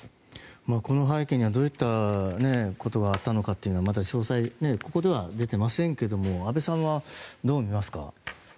この背景にはどういったことがあったのかっていうのはまだ詳細、ここでは出てませんが安部さんはどう見ますか？